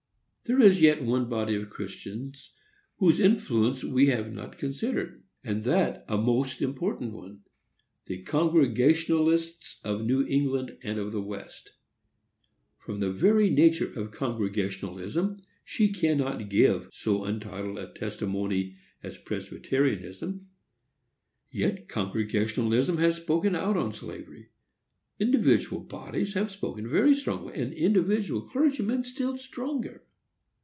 There is yet one body of Christians whose influence we have not considered, and that a most important one,—the Congregationalists of New England and of the West. From the very nature of Congregationalism, she cannot give so united a testimony as Presbyterianism; yet Congregationalism has spoken out on slavery. Individual bodies have spoken very strongly, and individual clergymen still stronger.